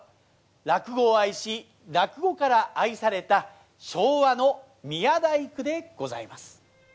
落語を愛し落語から愛された昭和の宮大工でございます。